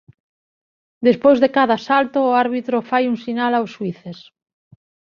Despois de cada salto o árbitro fai un sinal aos xuíces.